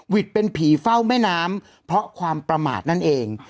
เป็นผีเฝ้าแม่น้ำเพราะความประมาทนั่นเอง